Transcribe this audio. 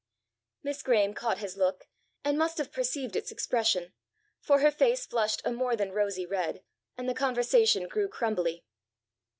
Miss Graeme caught his look, and must have perceived its expression, for her face flushed a more than rosy red, and the conversation grew crumbly.